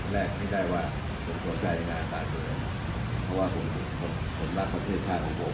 แม้ไม่ได้ว่าผมสนใจอย่างงานต่างเพราะว่าผมรักประเทศชาติของผม